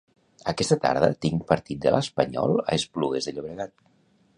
Aquesta tarda tinc partit de l'Espanyol a Esplugues de Llobregat.